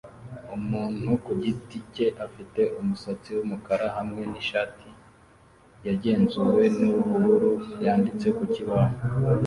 Umuntu ku giti cye afite umusatsi wumukara hamwe nishati yagenzuwe nubururu yanditse ku kibaho